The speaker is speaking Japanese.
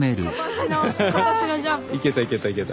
いけたいけたいけた。